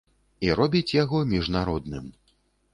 І робіць яго міжнародным.